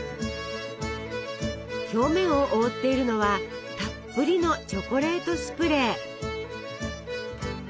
表面を覆っているのはたっぷりのチョコレートスプレー。